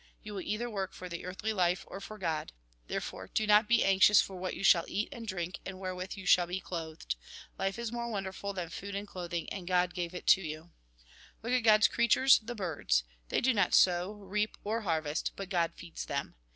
You will either work for the earthly life or for God. There fore, do not be anxious for what you shall eat and drink, and wherewith you shall be clothed. Life is more wonderful than food and clothing, and God gave it you. Look at God's creatures, the birds. They do not sow, reap or harvest, but God feeds them.